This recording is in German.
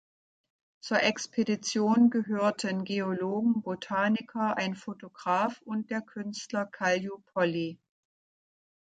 Zur Expedition gehörten Geologen, Botaniker, ein Photograph und der Künstler Kalju Polli.